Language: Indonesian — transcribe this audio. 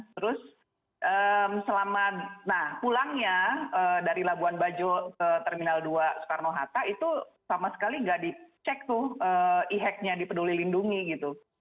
terus selama nah pulangnya dari labuan bajo ke terminal dua soekarno hatta itu sama sekali gak dicek tuh e hacknya dipeduli lindungi gitu